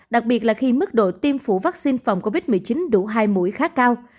đặc biệt là khi mức độ tiêm phủ vaccine phòng covid một mươi chín đủ hai mũi khá cao